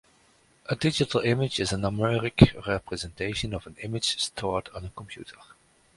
A digital image is a numeric representation of an image stored on a computer.